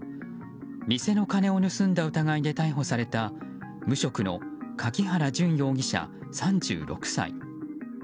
店の金を盗んだ疑いで逮捕された無職の柿原隼容疑者、３６歳。